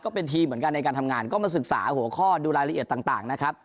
เป็นทีมเหมือนกันในการทำงานก็มาศึกษาหัวข้อดูรายละเอียดต่างนะครับ